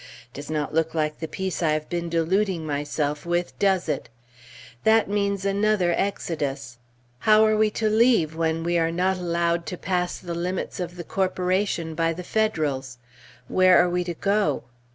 Does not look like the Peace I have been deluding myself with, does it? That means another Exodus. How are we to leave, when we are not allowed to pass the limits of the corporation by the Federals? Where are we to go?